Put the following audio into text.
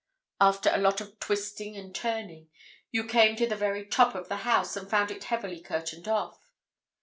After a lot of twisting and turning you came to the very top of the house and found it heavily curtained off.